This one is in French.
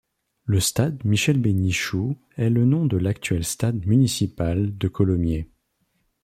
Le stade Michel-Bendichou est le nom de l'actuel stade municipal de Colomiers.